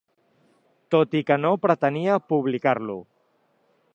Tot i que no pretenia publicar-lo.